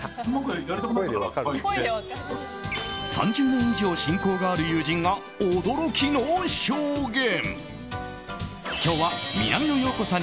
３０年以上親交がある友人が驚きの証言。